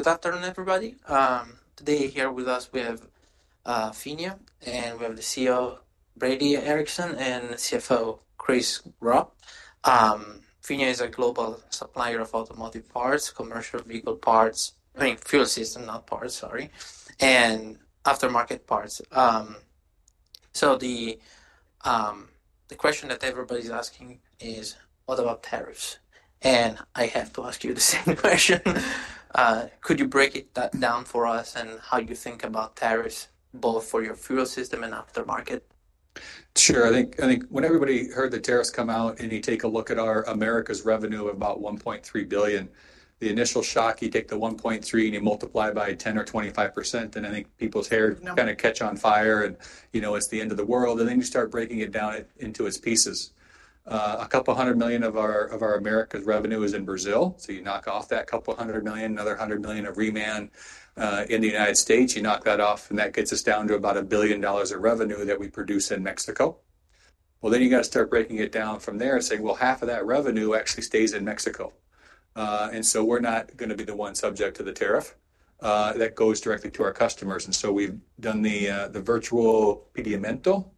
Good afternoon, everybody. Today here with us, we have PHINIA, and we have the CEO, Brady Ericson, and CFO, Chris Gropp. PHINIA is a global supplier of automotive parts, commercial vehicle parts—I mean, fuel system, not parts, sorry—and aftermarket parts. The question that everybody's asking is, what about tariffs? I have to ask you the same question. Could you break it down for us and how you think about tariffs, both for your fuel system and aftermarket? Sure. I think when everybody heard the tariffs come out and you take a look at our Americas revenue of about $1.3 billion, the initial shock, you take the $1.3 billion and you multiply by 10% or 25%, and I think people's hair kind of catch on fire, and it's the end of the world. You start breaking it down into its pieces. A couple hundred million of our Americas revenue is in Brazil, so you knock off that couple hundred million, another hundred million of reman in the United States. You knock that off, and that gets us down to about $1 billion of revenue that we produce in Mexico. You got to start breaking it down from there and say, you know, half of that revenue actually stays in Mexico. We're not going to be the one subject to the tariff that goes directly to our customers. We've done the virtual pedimento,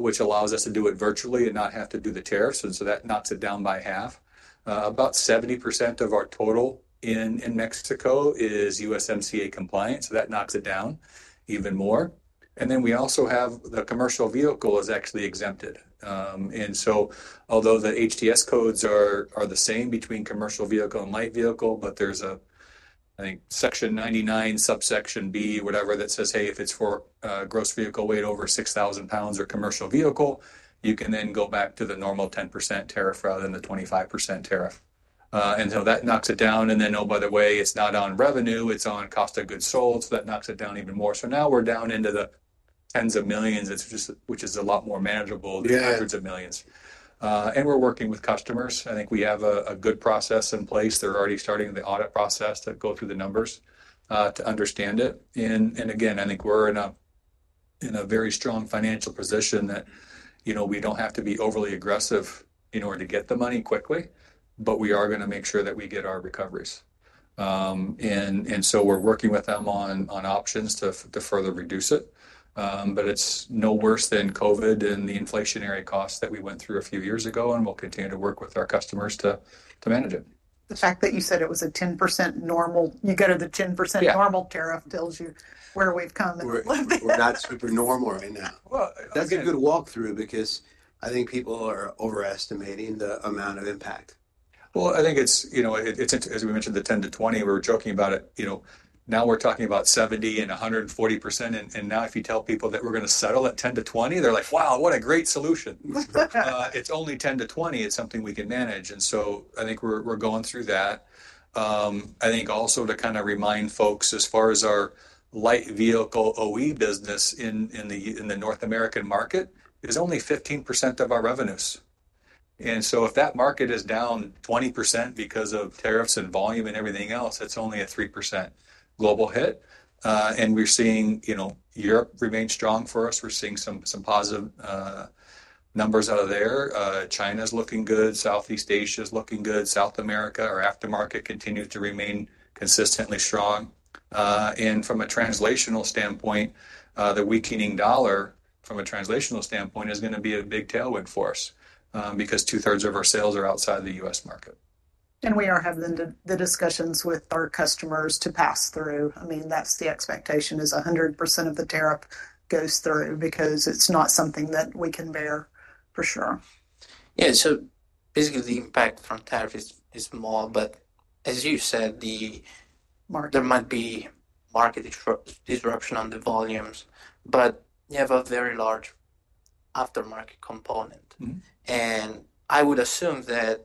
which allows us to do it virtually and not have to do the tariffs. That knocks it down by half. About 70% of our total in Mexico is USMCA compliant, so that knocks it down even more. We also have the commercial vehicle is actually exempted. Although the HTS codes are the same between commercial vehicle and light vehicle, there's a, I think, Section 99, Subsection B, whatever, that says, hey, if it's for gross vehicle weight over 6,000 lbs or commercial vehicle, you can then go back to the normal 10% tariff rather than the 25% tariff. That knocks it down. Oh, by the way, it's not on revenue, it's on cost of goods sold, so that knocks it down even more. Now we're down into the tens of millions, which is a lot more manageable than the hundreds of millions. We're working with customers. I think we have a good process in place. They're already starting the audit process to go through the numbers to understand it. I think we're in a very strong financial position that we don't have to be overly aggressive in order to get the money quickly, but we are going to make sure that we get our recoveries. We're working with them on options to further reduce it. It's no worse than COVID and the inflationary costs that we went through a few years ago, and we'll continue to work with our customers to manage it. The fact that you said it was a 10% normal, you go to the 10% normal tariff, tells you where we've come and we're living. We're not super normal right now. That's a good walkthrough because I think people are overestimating the amount of impact. I think it's, as we mentioned, the 10%-20%. We were joking about it. Now we're talking about 70% and 140%. Now if you tell people that we're going to settle at 10%-20%, they're like, "Wow, what a great solution." It's only 10%-20%. It's something we can manage. I think we're going through that. I think also to kind of remind folks, as far as our light vehicle OE business in the North American market, it's only 15% of our revenues. If that market is down 20% because of tariffs and volume and everything else, that's only a 3% global hit. We're seeing Europe remain strong for us. We're seeing some positive numbers out of there. China's looking good. Southeast Asia's looking good. South America, our aftermarket, continues to remain consistently strong. From a translational standpoint, the weakening dollar, from a translational standpoint, is going to be a big tailwind for us because two-thirds of our sales are outside the U.S. market. We are having the discussions with our customers to pass through. I mean, that's the expectation, is 100% of the tariff goes through because it's not something that we can bear for sure. Yeah. So basically, the impact from tariff is small, but as you said, there might be market disruption on the volumes, but you have a very large aftermarket component. I would assume that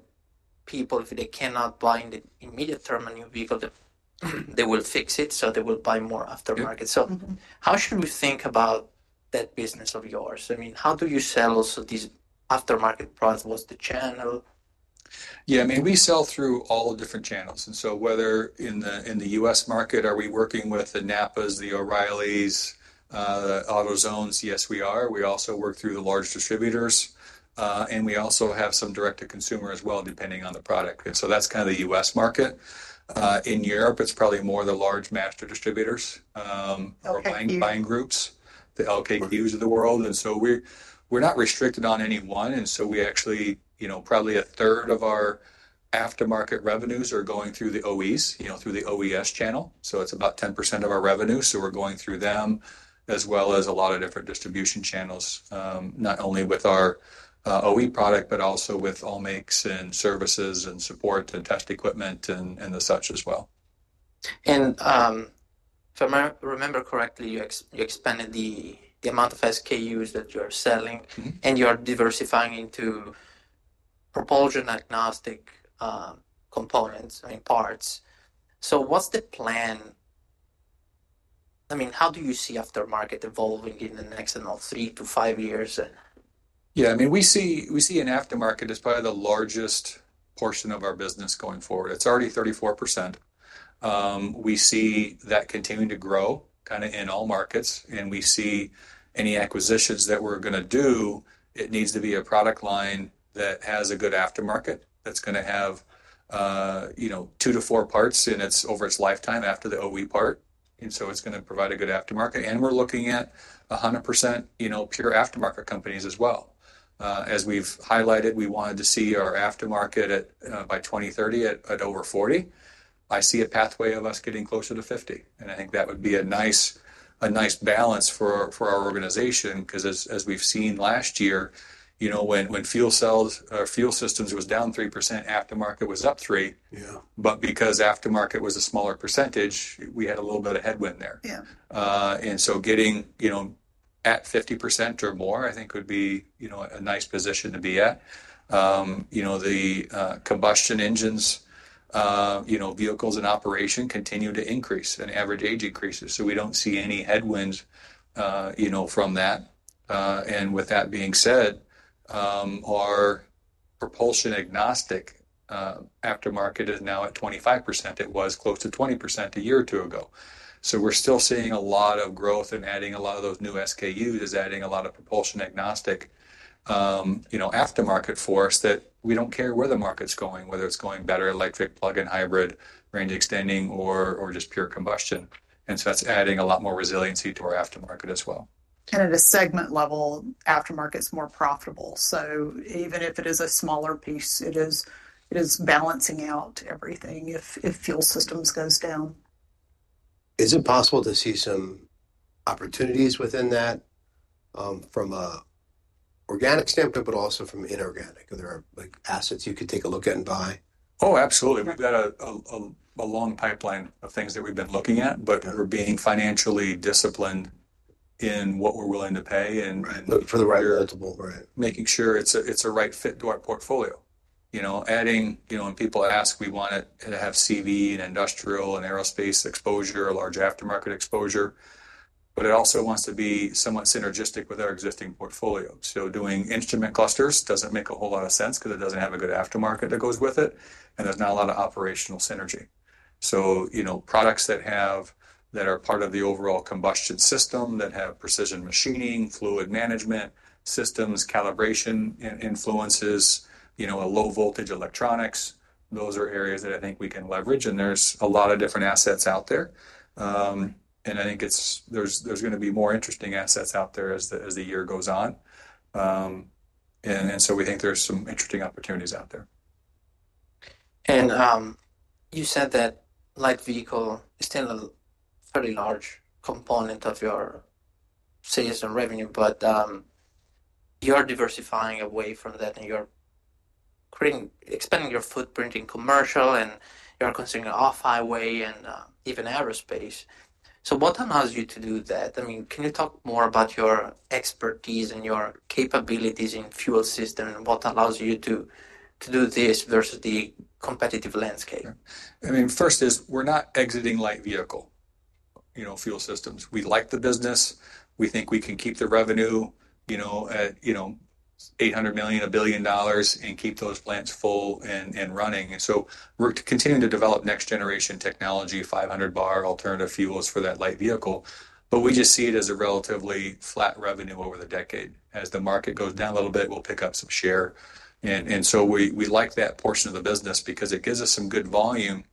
people, if they cannot buy in the immediate term a new vehicle, they will fix it, so they will buy more aftermarket. How should we think about that business of yours? I mean, how do you sell also these aftermarket products? What's the channel? Yeah. I mean, we sell through all different channels. Whether in the U.S. market, are we working with the NAPA, the O'Reilly, the AutoZone? Yes, we are. We also work through the large distributors. We also have some direct-to-consumer as well, depending on the product. That is kind of the U.S. market. In Europe, it is probably more the large master distributors or buying groups, the LKQs of the world. We are not restricted on anyone. We actually, probably a third of our aftermarket revenues are going through the OEs, through the OES channel. It is about 10% of our revenue. We are going through them as well as a lot of different distribution channels, not only with our OE product, but also with all makes and services and support and test equipment and the such as well. If I remember correctly, you expanded the amount of SKUs that you're selling, and you're diversifying into propulsion agnostic components, I mean, parts. What is the plan? I mean, how do you see aftermarket evolving in the next three to five years? Yeah. I mean, we see an aftermarket as probably the largest portion of our business going forward. It's already 34%. We see that continuing to grow kind of in all markets. We see any acquisitions that we're going to do, it needs to be a product line that has a good aftermarket, that's going to have two to four parts over its lifetime after the OE part. It is going to provide a good aftermarket. We are looking at 100% pure aftermarket companies as well. As we've highlighted, we wanted to see our aftermarket by 2030 at over 40%. I see a pathway of us getting closer to 50%. I think that would be a nice balance for our organization because, as we've seen last year, when fuel systems was down 3%, aftermarket was up 3%. Because aftermarket was a smaller percentage, we had a little bit of headwind there. Getting at 50% or more, I think, would be a nice position to be at. The combustion engines vehicles in operation continue to increase and average age increases. We do not see any headwinds from that. With that being said, our propulsion agnostic aftermarket is now at 25%. It was close to 20% a year or two ago. We are still seeing a lot of growth and adding a lot of those new SKUs is adding a lot of propulsion agnostic aftermarket for us that we do not care where the market is going, whether it is going better, electric, plug-in hybrid, range extending, or just pure combustion. That is adding a lot more resiliency to our aftermarket as well. Kind of the segment level aftermarket's more profitable. Even if it is a smaller piece, it is balancing out everything if fuel systems goes down. Is it possible to see some opportunities within that from an organic standpoint, but also from inorganic? Are there assets you could take a look at and buy? Oh, absolutely. We've got a long pipeline of things that we've been looking at, but we're being financially disciplined in what we're willing to pay. Looking for the right multiple. Right. Making sure it's a right fit to our portfolio. Adding, when people ask, we want it to have CV and industrial and aerospace exposure, large aftermarket exposure, but it also wants to be somewhat synergistic with our existing portfolio. Doing instrument clusters doesn't make a whole lot of sense because it doesn't have a good aftermarket that goes with it, and there's not a lot of operational synergy. Products that are part of the overall combustion system, that have precision machining, fluid management systems, calibration influences, low-voltage electronics, those are areas that I think we can leverage. There's a lot of different assets out there. I think there's going to be more interesting assets out there as the year goes on. We think there's some interesting opportunities out there. You said that light vehicle is still a fairly large component of your sales and revenue, but you're diversifying away from that, and you're expanding your footprint in commercial, and you're considering off-highway and even aerospace. What allows you to do that? I mean, can you talk more about your expertise and your capabilities in fuel system? What allows you to do this versus the competitive landscape? I mean, first is we're not exiting light vehicle fuel systems. We like the business. We think we can keep the revenue at $800 million-$1 billion, and keep those plants full and running. We are continuing to develop next-generation technology, 500-bar alternative fuels for that light vehicle. We just see it as a relatively flat revenue over the decade. As the market goes down a little bit, we'll pick up some share. We like that portion of the business because it gives us some good volume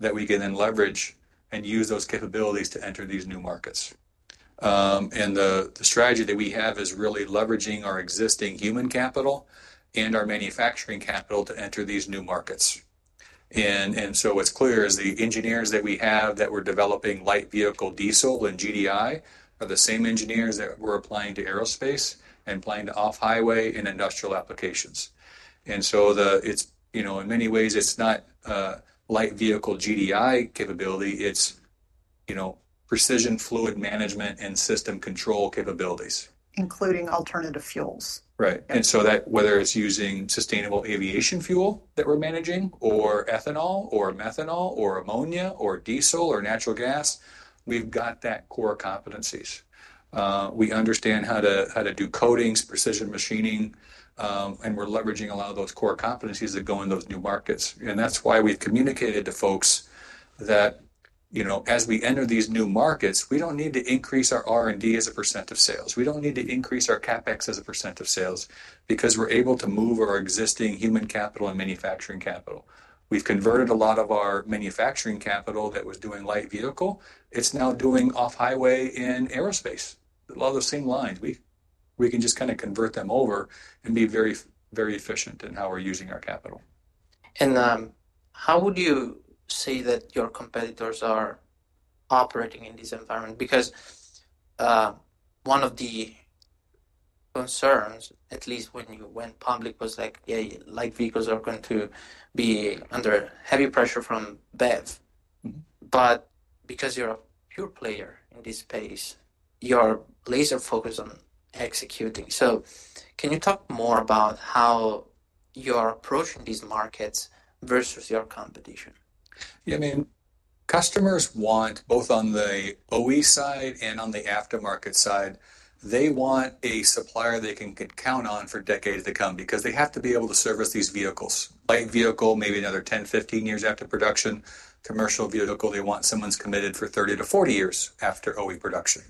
that we can then leverage and use those capabilities to enter these new markets. The strategy that we have is really leveraging our existing human capital and our manufacturing capital to enter these new markets. What's clear is the engineers that we have that we're developing light vehicle diesel and GDI are the same engineers that we're applying to aerospace and applying to off-highway and industrial applications. In many ways, it's not light vehicle GDI capability. It's precision fluid management and system control capabilities. Including alternative fuels. Right. Whether it's using sustainable aviation fuel that we're managing or ethanol or methanol or ammonia or diesel or natural gas, we've got that core competencies. We understand how to do coatings, precision machining, and we're leveraging a lot of those core competencies that go in those new markets. That's why we've communicated to folks that as we enter these new markets, we don't need to increase our R&D as a percent of sales. We don't need to increase our CapEx as a percent of sales because we're able to move our existing human capital and manufacturing capital. We've converted a lot of our manufacturing capital that was doing light vehicle. It's now doing off-highway in aerospace. A lot of the same lines. We can just kind of convert them over and be very efficient in how we're using our capital. How would you say that your competitors are operating in this environment? Because one of the concerns, at least when you went public, was like, "Yeah, light vehicles are going to be under heavy pressure from BEV." But because you're a pure player in this space, you're laser-focused on executing. Can you talk more about how you're approaching these markets versus your competition? Yeah. I mean, customers want, both on the OE side and on the aftermarket side, they want a supplier they can count on for decades to come because they have to be able to service these vehicles. Light vehicle, maybe another 10 years-15 years after production. Commercial vehicle, they want someone committed for 30 years-40 years after OE production.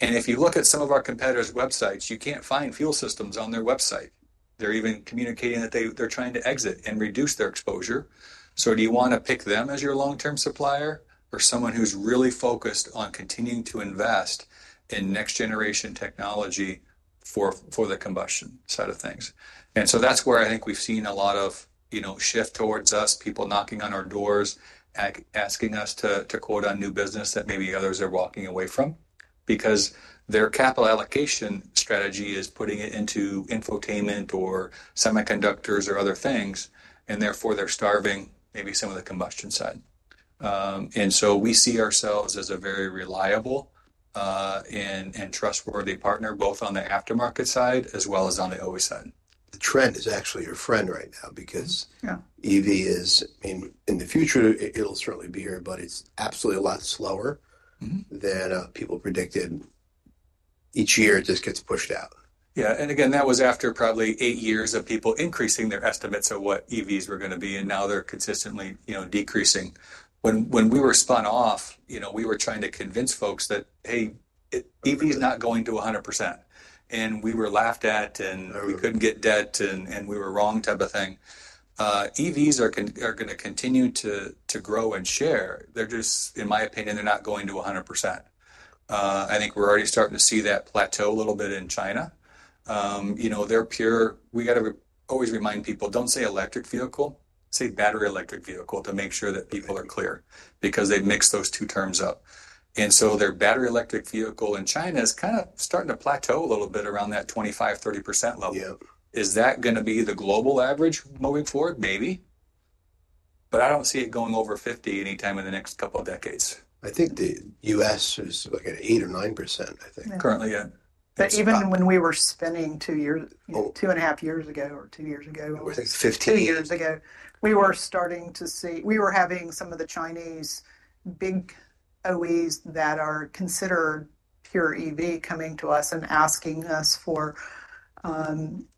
If you look at some of our competitors' websites, you can't find fuel systems on their website. They're even communicating that they're trying to exit and reduce their exposure. Do you want to pick them as your long-term supplier or someone who's really focused on continuing to invest in next-generation technology for the combustion side of things? That's where I think we've seen a lot of shift towards us, people knocking on our doors, asking us to quote on new business that maybe others are walking away from because their capital allocation strategy is putting it into infotainment or semiconductors or other things, and therefore they're starving maybe some of the combustion side. We see ourselves as a very reliable and trustworthy partner, both on the aftermarket side as well as on the OE side. The trend is actually your friend right now because EV is, I mean, in the future, it'll certainly be here, but it's absolutely a lot slower than people predicted. Each year, it just gets pushed out. Yeah. That was after probably eight years of people increasing their estimates of what EVs were going to be, and now they're consistently decreasing. When we were spun off, we were trying to convince folks that, "Hey, EV is not going to 100%." We were laughed at, and we couldn't get debt, and we were wrong type of thing. EVs are going to continue to grow in share. They're just, in my opinion, they're not going to 100%. I think we're already starting to see that plateau a little bit in China. We have to always remind people, "Don't say electric vehicle. Say battery electric vehicle to make sure that people are clear because they mix those two terms up." Their battery electric vehicle in China is kind of starting to plateau a little bit around that 25%-30% level. Is that going to be the global average moving forward? Maybe. I don't see it going over 50 anytime in the next couple of decades. I think the U.S. is like at 8% or 9%, I think. Currently, yeah. Even when we were spinning two and a half years ago or two years ago. I think 15. Two years ago, we were starting to see we were having some of the Chinese big OEs that are considered pure EV coming to us and asking us for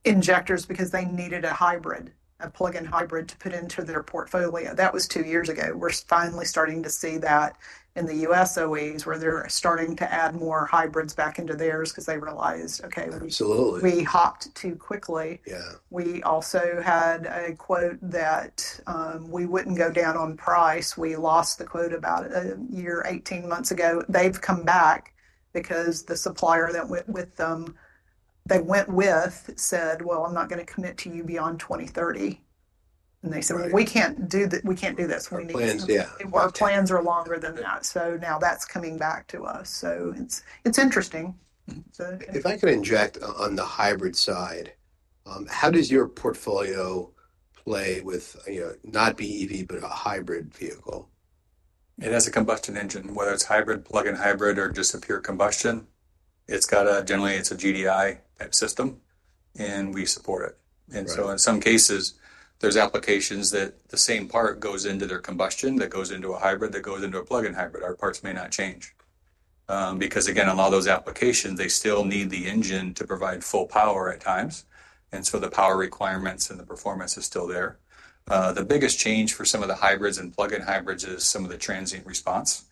injectors because they needed a hybrid, a plug-in hybrid to put into their portfolio. That was two years ago. We're finally starting to see that in the U.S. OEs where they're starting to add more hybrids back into theirs because they realized, "Okay. We hopped too quickly." We also had a quote that we wouldn't go down on price. We lost the quote about a year 18 months ago. They've come back because the supplier that they went with said, "Well, I'm not going to commit to you beyond 2030." And they said, "We can't do this. We need to. Our plans are longer than that. Now that's coming back to us. It's interesting. If I could inject on the hybrid side, how does your portfolio play with not being EV, but a hybrid vehicle? That's a combustion engine, whether it's hybrid, plug-in hybrid, or just a pure combustion. Generally, it's a GDI type system, and we support it. In some cases, there's applications that the same part goes into their combustion that goes into a hybrid that goes into a plug-in hybrid. Our parts may not change because, again, a lot of those applications, they still need the engine to provide full power at times. The power requirements and the performance is still there. The biggest change for some of the hybrids and plug-in hybrids is some of the transient response.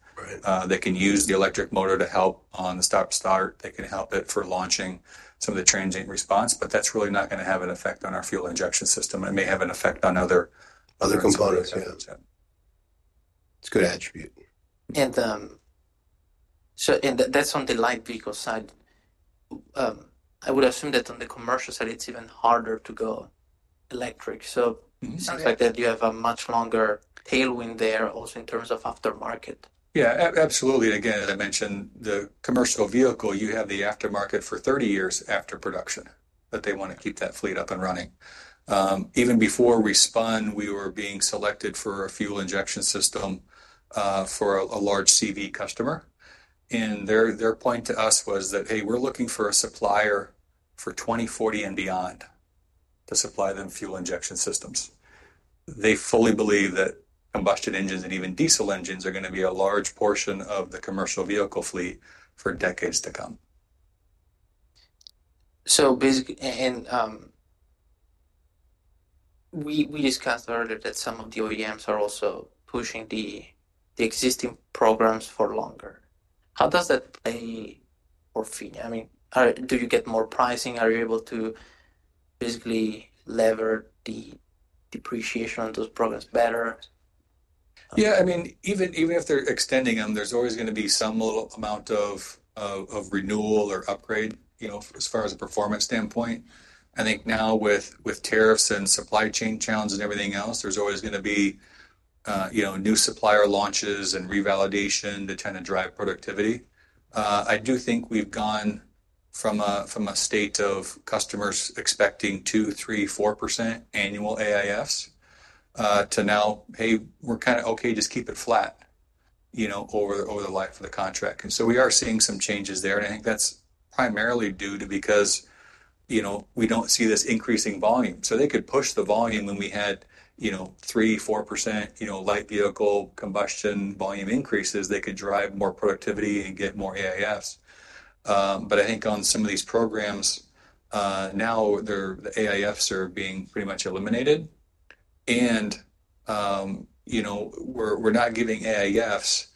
They can use the electric motor to help on the stop-start. They can help it for launching some of the transient response. That's really not going to have an effect on our fuel injection system. It may have an effect on other components. It's a good attribute. That's on the light vehicle side. I would assume that on the commercial side, it's even harder to go electric. It seems like you have a much longer tailwind there also in terms of aftermarket. Yeah, absolutely. Again, as I mentioned, the commercial vehicle, you have the aftermarket for 30 years after production that they want to keep that fleet up and running. Even before we spun, we were being selected for a fuel injection system for a large CV customer. Their point to us was that, "Hey, we're looking for a supplier for 2040 and beyond to supply them fuel injection systems." They fully believe that combustion engines and even diesel engines are going to be a large portion of the commercial vehicle fleet for decades to come. We discussed earlier that some of the OEMs are also pushing the existing programs for longer. How does that play for PHINIA? I mean, do you get more pricing? Are you able to basically lever the depreciation on those programs better? Yeah. I mean, even if they're extending them, there's always going to be some little amount of renewal or upgrade as far as a performance standpoint. I think now with tariffs and supply chain challenges and everything else, there's always going to be new supplier launches and revalidation to kind of drive productivity. I do think we've gone from a state of customers expecting 2%, 3%, 4% annual AIS to now, "Hey, we're kind of okay, just keep it flat over the life of the contract." We are seeing some changes there. I think that's primarily due to because we don't see this increasing volume. They could push the volume when we had 3%, 4% light vehicle combustion volume increases. They could drive more productivity and get more AIS. I think on some of these programs, now the AIS are being pretty much eliminated. We are not giving AIS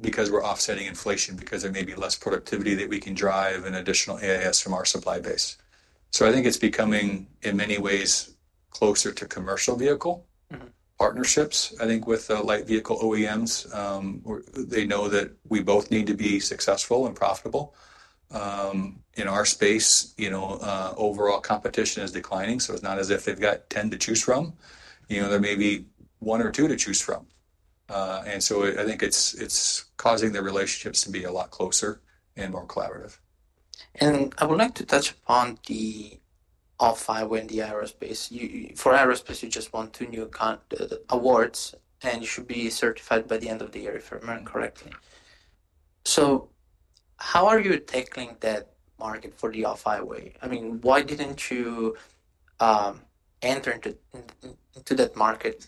because we are offsetting inflation because there may be less productivity that we can drive and additional AIS from our supply base. I think it is becoming in many ways closer to commercial vehicle partnerships. I think with light vehicle OEMs, they know that we both need to be successful and profitable. In our space, overall competition is declining. It is not as if they have 10 to choose from. There may be one or two to choose from. I think it is causing the relationships to be a lot closer and more collaborative. I would like to touch upon the off-highway and the aerospace. For aerospace, you just won two new awards, and you should be certified by the end of the year, if I remember correctly. How are you tackling that market for the off-highway? I mean, why didn't you enter into that market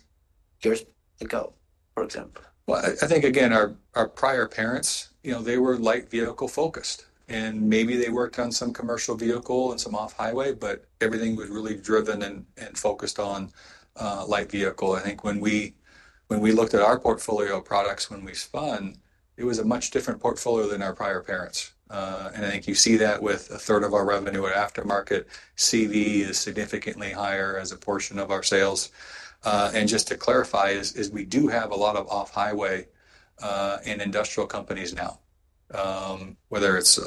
years ago, for example? I think, again, our prior parents, they were light vehicle focused. Maybe they worked on some commercial vehicle and some off-highway, but everything was really driven and focused on light vehicle. I think when we looked at our portfolio of products when we spun, it was a much different portfolio than our prior parents. I think you see that with a third of our revenue at aftermarket. CV is significantly higher as a portion of our sales. Just to clarify, we do have a lot of off-highway and industrial companies now, whether it's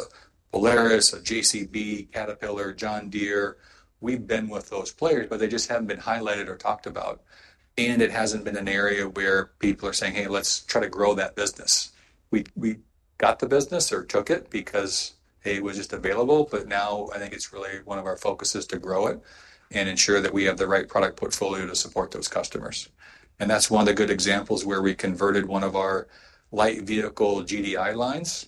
Polaris, JCB, Caterpillar, John Deere. We've been with those players, but they just haven't been highlighted or talked about. It hasn't been an area where people are saying, "Hey, let's try to grow that business." We got the business or took it because it was just available. I think it's really one of our focuses to grow it and ensure that we have the right product portfolio to support those customers. That's one of the good examples where we converted one of our light vehicle GDI lines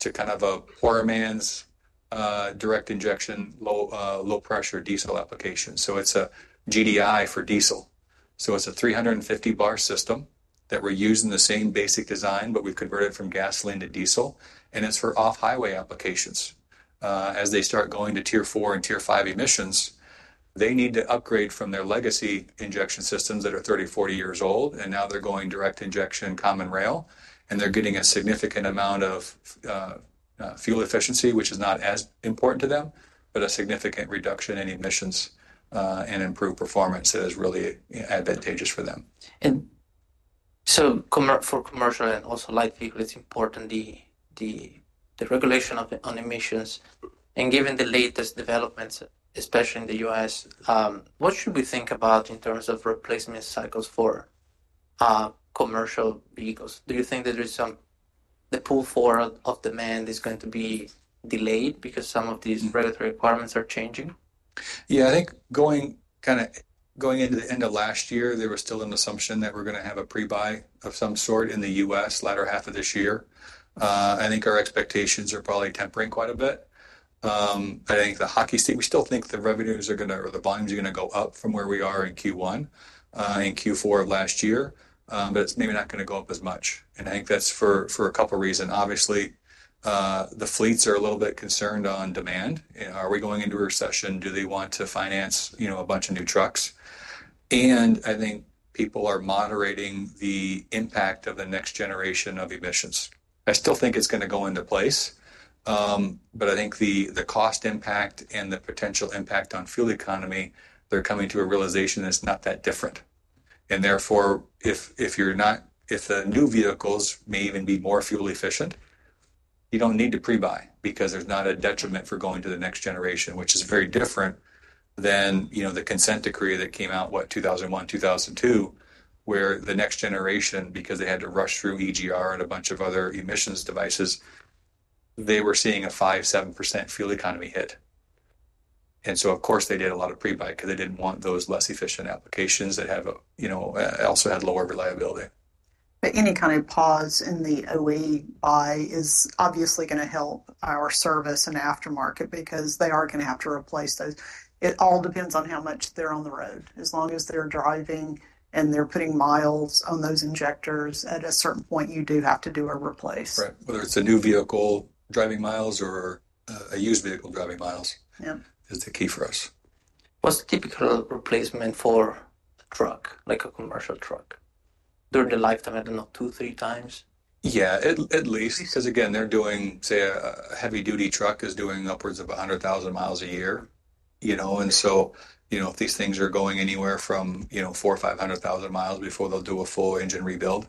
to kind of a poor man's direct injection low-pressure diesel application. It's a GDI for diesel. It's a 350 bar system that we're using the same basic design, but we've converted it from gasoline to diesel. It's for off-highway applications. As they start going to tier four and tier five emissions, they need to upgrade from their legacy injection systems that are 30 years, 40 years old. Now they're going direct injection common rail. They are getting a significant amount of fuel efficiency, which is not as important to them, but a significant reduction in emissions and improved performance that is really advantageous for them. For commercial and also light vehicles, it's important the regulation on emissions. Given the latest developments, especially in the U.S., what should we think about in terms of replacement cycles for commercial vehicles? Do you think that the pool for demand is going to be delayed because some of these regulatory requirements are changing? Yeah. I think kind of going into the end of last year, there was still an assumption that we're going to have a pre-buy of some sort in the U.S. latter half of this year. I think our expectations are probably tempering quite a bit. I think the hockey stick, we still think the revenues are going to, or the volumes are going to go up from where we are in Q1 and Q4 of last year, but it's maybe not going to go up as much. I think that's for a couple of reasons. Obviously, the fleets are a little bit concerned on demand. Are we going into a recession? Do they want to finance a bunch of new trucks? I think people are moderating the impact of the next generation of emissions. I still think it's going to go into place. I think the cost impact and the potential impact on fuel economy, they're coming to a realization that it's not that different. Therefore, if the new vehicles may even be more fuel efficient, you don't need to pre-buy because there's not a detriment for going to the next generation, which is very different than the consent decree that came out, what, 2001, 2002, where the next generation, because they had to rush through EGR and a bunch of other emissions devices, they were seeing a 5%-7% fuel economy hit. Of course, they did a lot of pre-buy because they didn't want those less efficient applications that also had lower reliability. Any kind of pause in the OE buy is obviously going to help our service and aftermarket because they are going to have to replace those. It all depends on how much they're on the road. As long as they're driving and they're putting miles on those injectors, at a certain point, you do have to do a replace. Right. Whether it's a new vehicle driving miles or a used vehicle driving miles is the key for us. What's the typical replacement for a truck, like a commercial truck? During the lifetime, I don't know, two, three times? Yeah, at least. Because, again, they're doing, say, a heavy-duty truck is doing upwards of 100,000 mi a year. If these things are going anywhere from 400,000 mi-500,000 mi before they'll do a full engine rebuild,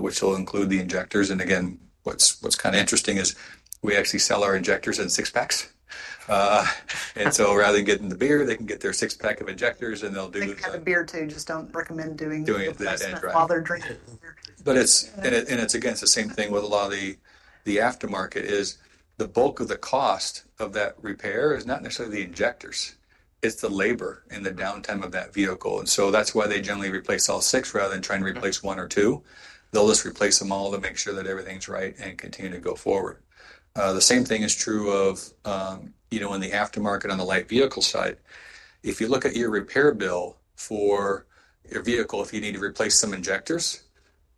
which will include the injectors. What's kind of interesting is we actually sell our injectors in six-packs. Rather than getting the beer, they can get their six-pack of injectors and they'll do. They have a beer too. Just do not recommend doing that while they're drinking. It's the same thing with a lot of the aftermarket. The bulk of the cost of that repair is not necessarily the injectors. It's the labor and the downtime of that vehicle. That is why they generally replace all six rather than trying to replace one or two. They'll just replace them all to make sure that everything's right and continue to go forward. The same thing is true in the aftermarket on the light vehicle side. If you look at your repair bill for your vehicle, if you need to replace some injectors,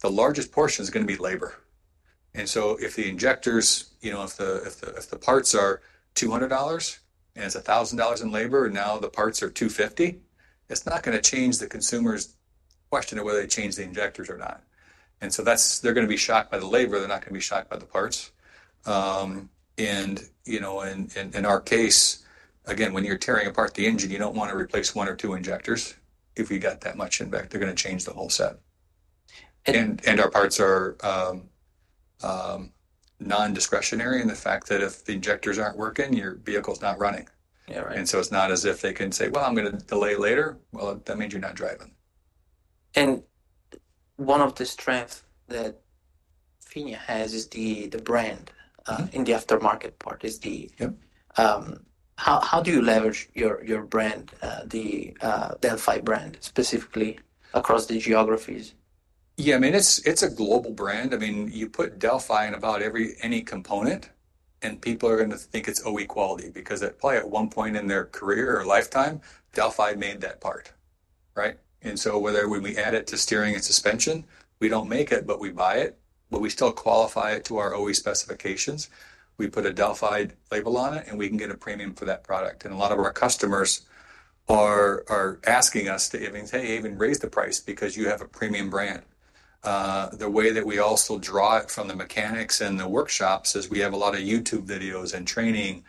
the largest portion is going to be labor. If the injectors, if the parts are $200 and it's $1,000 in labor, and now the parts are $250, it's not going to change the consumer's question of whether they change the injectors or not. They're going to be shocked by the labor. They're not going to be shocked by the parts. In our case, again, when you're tearing apart the engine, you don't want to replace one or two injectors. If we got that much in back, they're going to change the whole set. Our parts are non-discretionary in the fact that if the injectors aren't working, your vehicle's not running. It's not as if they can say, "I'm going to delay later." That means you're not driving. One of the strengths that PHINIA has is the brand in the aftermarket part. How do you leverage your brand, the Delphi brand, specifically across the geographies? Yeah. I mean, it's a global brand. I mean, you put Delphi in about any component, and people are going to think it's OE quality because probably at one point in their career or lifetime, Delphi made that part. Right? Whether we add it to steering and suspension, we don't make it, but we buy it. We still qualify it to our OE specifications. We put a Delphi label on it, and we can get a premium for that product. A lot of our customers are asking us to, "Hey, even raise the price because you have a premium brand." The way that we also draw it from the mechanics and the workshops is we have a lot of YouTube videos and training.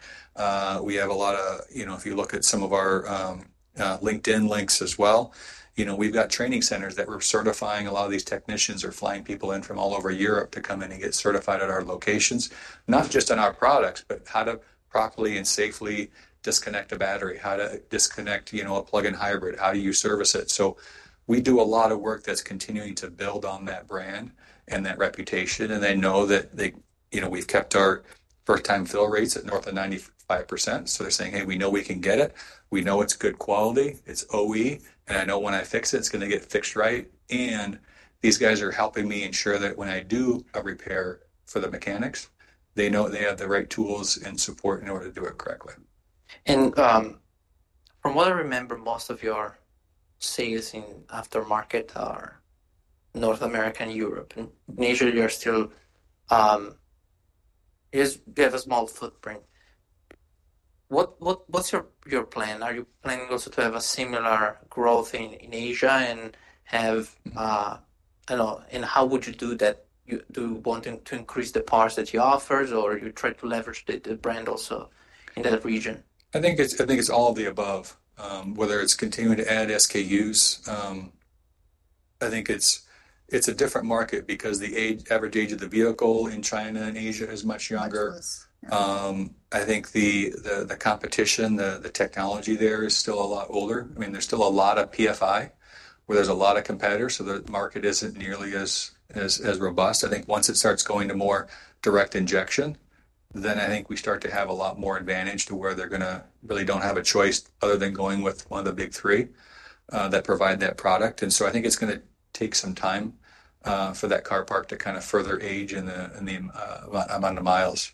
We have a lot of, if you look at some of our LinkedIn links as well, we've got training centers that we're certifying. A lot of these technicians are flying people in from all over Europe to come in and get certified at our locations, not just on our products, but how to properly and safely disconnect a battery, how to disconnect a plug-in hybrid, how do you service it. We do a lot of work that's continuing to build on that brand and that reputation. They know that we've kept our first-time fill rates at north of 95%. They're saying, "Hey, we know we can get it. We know it's good quality. It's OE. I know when I fix it, it's going to get fixed right." These guys are helping me ensure that when I do a repair for the mechanics, they know they have the right tools and support in order to do it correctly. From what I remember, most of your sales in aftermarket are North America and Europe. In Asia, you have a small footprint. What's your plan? Are you planning also to have a similar growth in Asia and have, I don't know, and how would you do that? Do you want to increase the parts that you offer, or you try to leverage the brand also in that region? I think it's all of the above, whether it's continuing to add SKUs. I think it's a different market because the average age of the vehicle in China and Asia is much younger. I think the competition, the technology there is still a lot older. I mean, there's still a lot of PFI where there's a lot of competitors. The market isn't nearly as robust. I think once it starts going to more direct injection, then I think we start to have a lot more advantage to where they're going to really don't have a choice other than going with one of the big three that provide that product. I think it's going to take some time for that car park to kind of further age in the amount of miles.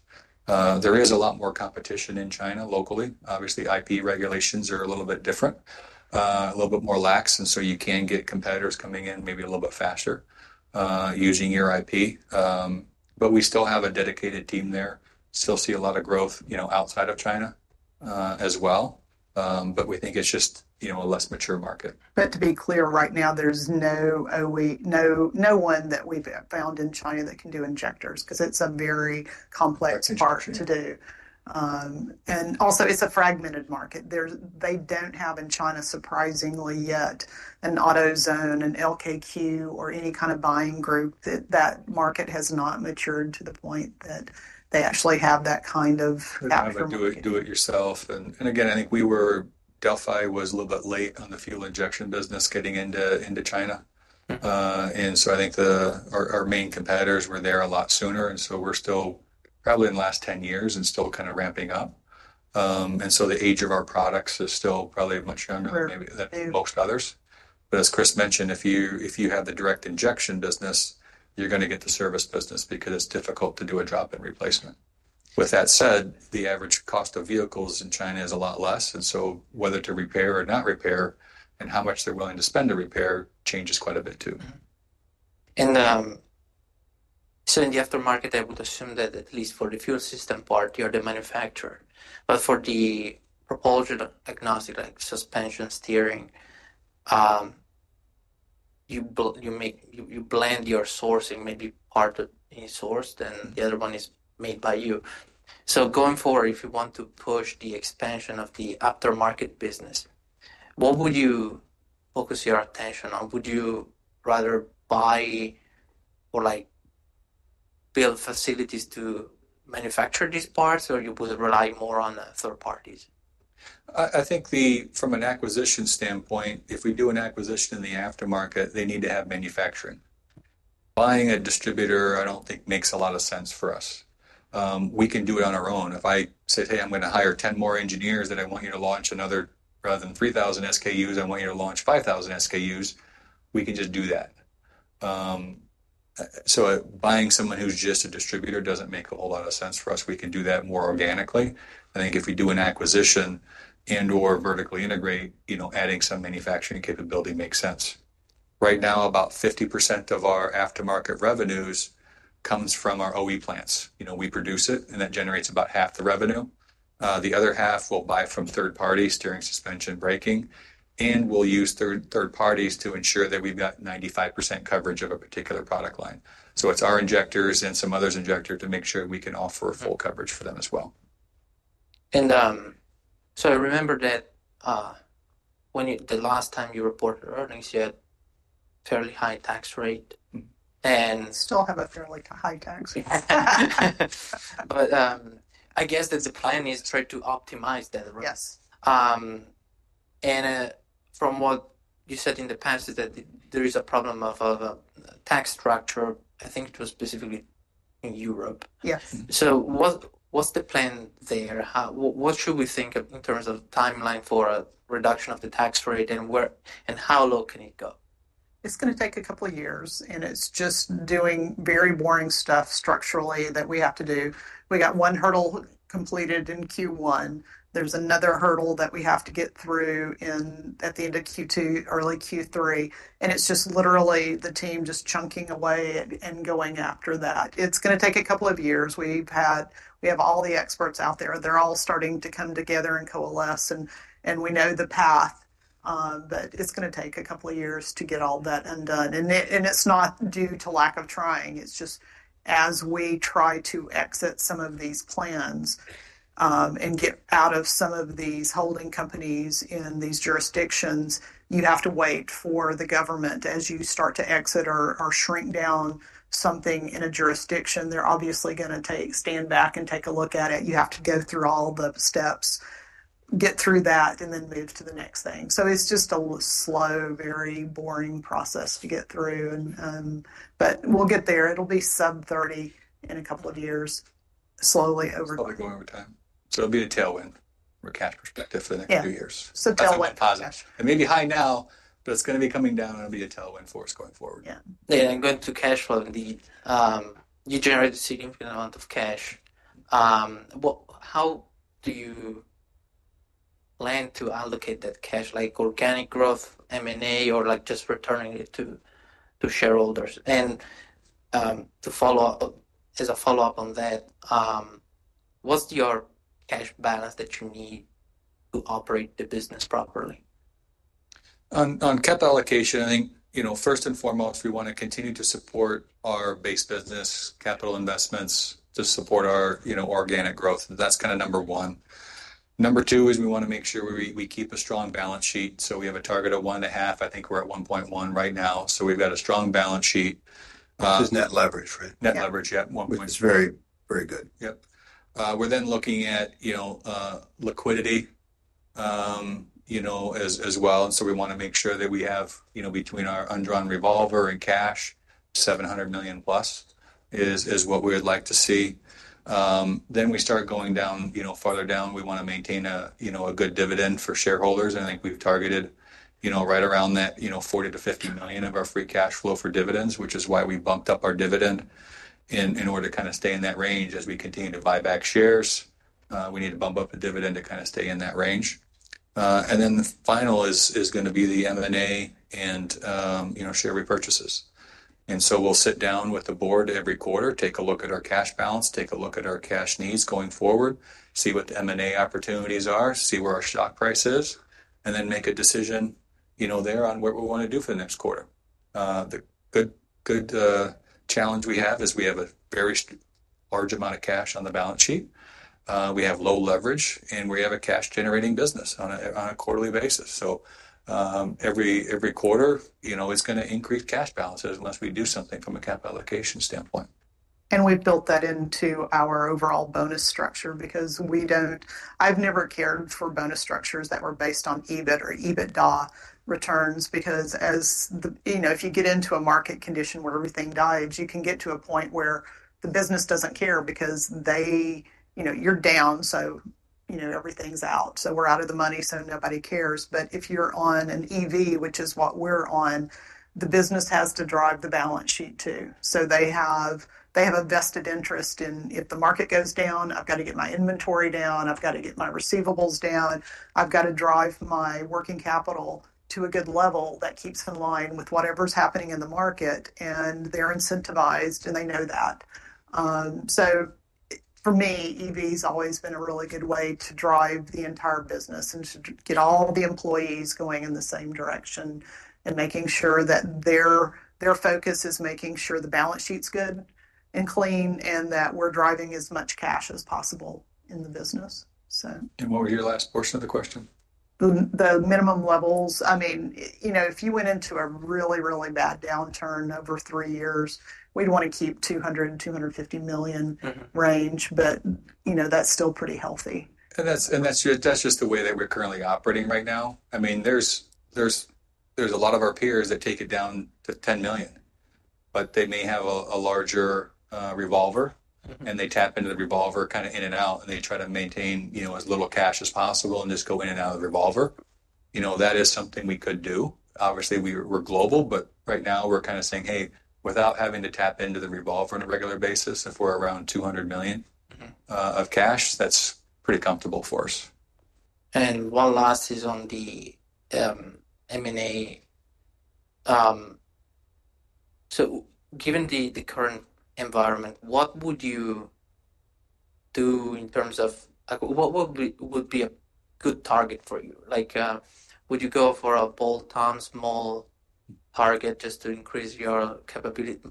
There is a lot more competition in China locally. Obviously, IP regulations are a little bit different, a little bit more lax. You can get competitors coming in maybe a little bit faster using your IP. We still have a dedicated team there. Still see a lot of growth outside of China as well. We think it's just a less mature market. To be clear, right now, there's no OE, no one that we've found in China that can do injectors because it's a very complex part to do. Also, it's a fragmented market. They don't have in China, surprisingly yet, an AutoZone, an LKQ, or any kind of buying group. That market has not matured to the point that they actually have that kind of. Do it yourself. Again, I think Delphi was a little bit late on the fuel injection business getting into China. I think our main competitors were there a lot sooner. We are still probably in the last 10 years and still kind of ramping up. The age of our products is still probably much younger than most others. As Chris mentioned, if you have the direct injection business, you are going to get the service business because it is difficult to do a drop-in replacement. With that said, the average cost of vehicles in China is a lot less. Whether to repair or not repair and how much they are willing to spend to repair changes quite a bit too. In the aftermarket, I would assume that at least for the fuel system part, you're the manufacturer. For the propulsion agnostic, like suspension, steering, you blend your sourcing, maybe part of any source, then the other one is made by you. Going forward, if you want to push the expansion of the aftermarket business, what would you focus your attention on? Would you rather buy or build facilities to manufacture these parts, or would you rely more on third parties? I think from an acquisition standpoint, if we do an acquisition in the aftermarket, they need to have manufacturing. Buying a distributor, I don't think makes a lot of sense for us. We can do it on our own. If I say, "Hey, I'm going to hire 10 more engineers that I want you to launch another rather than 3,000 SKUs. I want you to launch 5,000 SKUs." We can just do that. Buying someone who's just a distributor doesn't make a whole lot of sense for us. We can do that more organically. I think if we do an acquisition and/or vertically integrate, adding some manufacturing capability makes sense. Right now, about 50% of our aftermarket revenues comes from our OE plants. We produce it, and that generates about half the revenue. The other half we'll buy from third parties, steering, suspension, braking. We will use third parties to ensure that we have 95% coverage of a particular product line. It is our injectors and some others' injectors to make sure we can offer full coverage for them as well. I remember that the last time you reported earnings, you had a fairly high tax rate. Still have a fairly high tax. I guess that the plan is to try to optimize that, right? Yes. From what you said in the past is that there is a problem of a tax structure, I think it was specifically in Europe. What is the plan there? What should we think in terms of timeline for a reduction of the tax rate and how low can it go? It's going to take a couple of years, and it's just doing very boring stuff structurally that we have to do. We got one hurdle completed in Q1. There's another hurdle that we have to get through at the end of Q2, early Q3. It's just literally the team just chunking away and going after that. It's going to take a couple of years. We have all the experts out there. They're all starting to come together and coalesce. We know the path, but it's going to take a couple of years to get all that undone. It's not due to lack of trying. As we try to exit some of these plans and get out of some of these holding companies in these jurisdictions, you have to wait for the government as you start to exit or shrink down something in a jurisdiction. They're obviously going to stand back and take a look at it. You have to go through all the steps, get through that, and then move to the next thing. It is just a slow, very boring process to get through. We'll get there. It'll be sub-30 in a couple of years, slowly over time. Slowly going over time. It'll be a tailwind from a cash perspective for the next few years. Yeah. So tailwind. may be high now, but it's going to be coming down, and it'll be a tailwind for us going forward. Yeah. Going to cash flow, indeed, you generate a significant amount of cash. How do you plan to allocate that cash, like organic growth, M&A, or just returning it to shareholders? As a follow-up on that, what's your cash balance that you need to operate the business properly? On capital allocation, I think first and foremost, we want to continue to support our base business, capital investments to support our organic growth. That is kind of number one. Number two is we want to make sure we keep a strong balance sheet. We have a target of 1.5. I think we are at 1.1 right now. We have got a strong balance sheet. Which is net leverage, right? Net leverage, yeah. 1.2. Which is very, very good. Yep. We are then looking at liquidity as well. We want to make sure that we have, between our undrawn revolver and cash, $700 million+ is what we would like to see. We start going farther down. We want to maintain a good dividend for shareholders. I think we have targeted right around that $40 million-$50 million of our free cash flow for dividends, which is why we bumped up our dividend in order to kind of stay in that range as we continue to buy back shares. We need to bump up the dividend to kind of stay in that range. The final is going to be the M&A and share repurchases. We will sit down with the board every quarter, take a look at our cash balance, take a look at our cash needs going forward, see what the M&A opportunities are, see where our stock price is, and then make a decision there on what we want to do for the next quarter. The good challenge we have is we have a very large amount of cash on the balance sheet. We have low leverage, and we have a cash-generating business on a quarterly basis. Every quarter, it is going to increase cash balances unless we do something from a capital allocation standpoint. We have built that into our overall bonus structure because I have never cared for bonus structures that were based on EBIT or EBITDA returns. If you get into a market condition where everything dies, you can get to a point where the business does not care because you are down, so everything is out. We are out of the money, so nobody cares. If you are on an EV, which is what we are on, the business has to drive the balance sheet too. They have a vested interest in if the market goes down, I have to get my inventory down. I have to get my receivables down. I have to drive my working capital to a good level that keeps in line with whatever is happening in the market. They are incentivized, and they know that. EV has always been a really good way to drive the entire business and to get all the employees going in the same direction and making sure that their focus is making sure the balance sheet's good and clean and that we're driving as much cash as possible in the business. What was your last portion of the question? The minimum levels. I mean, if you went into a really, really bad downturn over three years, we'd want to keep $200 million-$250 million range, but that's still pretty healthy. That's just the way that we're currently operating right now. I mean, there's a lot of our peers that take it down to $10 million, but they may have a larger revolver, and they tap into the revolver kind of in and out, and they try to maintain as little cash as possible and just go in and out of the revolver. That is something we could do. Obviously, we're global, but right now, we're kind of saying, "Hey, without having to tap into the revolver on a regular basis, if we're around $200 million of cash, that's pretty comfortable for us. One last is on the M&A. Given the current environment, what would you do in terms of what would be a good target for you? Would you go for a bolt-on small target just to increase your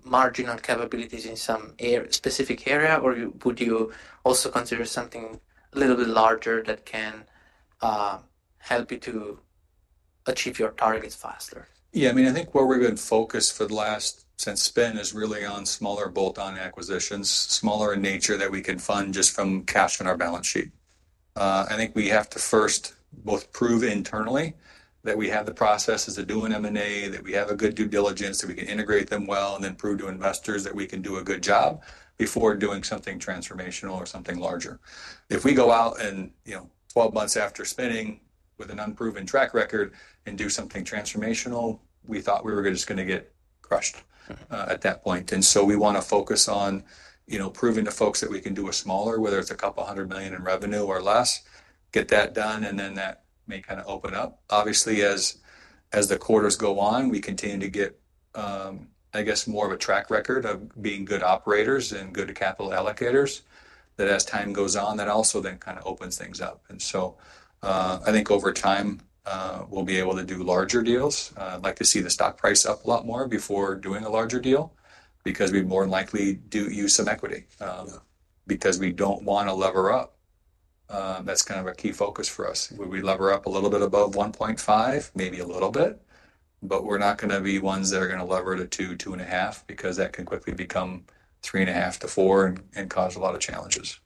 marginal capabilities in some specific area, or would you also consider something a little bit larger that can help you to achieve your targets faster? Yeah. I mean, I think where we've been focused for the last since spin is really on smaller bolt-on acquisitions, smaller in nature that we can fund just from cash on our balance sheet. I think we have to first both prove internally that we have the processes of doing M&A, that we have a good due diligence, that we can integrate them well, and then prove to investors that we can do a good job before doing something transformational or something larger. If we go out 12 months after spinning with an unproven track record and do something transformational, we thought we were just going to get crushed at that point. We want to focus on proving to folks that we can do a smaller, whether it's a couple hundred million in revenue or less, get that done, and then that may kind of open up. Obviously, as the quarters go on, we continue to get, I guess, more of a track record of being good operators and good capital allocators that as time goes on, that also then kind of opens things up. I think over time, we'll be able to do larger deals. I'd like to see the stock price up a lot more before doing a larger deal because we more than likely do use some equity because we don't want to lever up. That's kind of a key focus for us. We lever up a little bit above 1.5, maybe a little bit, but we're not going to be ones that are going to lever to 2-2.5 because that can quickly become 3.5-4 and cause a lot of challenges.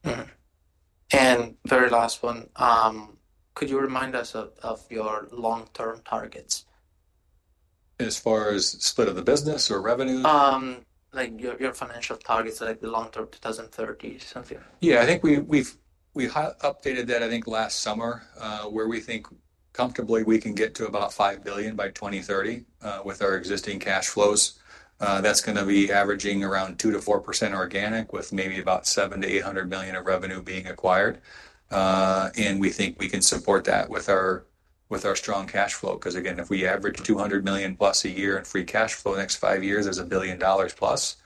Could you remind us of your long-term targets? As far as split of the business or revenue? Your financial targets, like the long-term 2030, something. Yeah. I think we updated that, I think, last summer where we think comfortably we can get to about $5 billion by 2030 with our existing cash flows. That's going to be averaging around 2%-4% organic with maybe about $700 million-$800 million of revenue being acquired. We think we can support that with our strong cash flow because, again, if we average $200 million plus a year in free cash flow the next five years is $1 billion plus,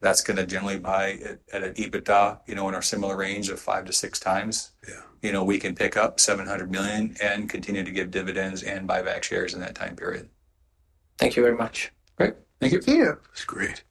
that's going to generally buy at an EBITDA in our similar range of five to six times. We can pick up $700 million and continue to give dividends and buy back shares in that time period. Thank you very much. Great. Thank you. Thank you. That's great.